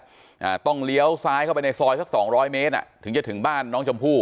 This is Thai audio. อ่าต้องเลี้ยวซ้ายเข้าไปในซอยสักสองร้อยเมตรอ่ะถึงจะถึงบ้านน้องชมพู่